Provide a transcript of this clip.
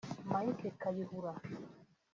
Mike Kayihura